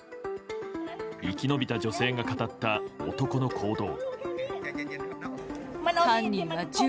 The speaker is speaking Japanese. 生き延びた女性が語った男の行動。